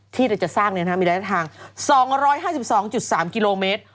ที่เราจะสร้างมีระยะทาง๒๕๒๓กิโลเมตร